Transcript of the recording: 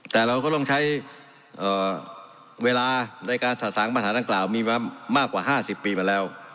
แต่เราก็ต้องใช้เวลาในการสะสางปัญหาดังกล่าวมีมามากกว่า๕๐ปีมาแล้ว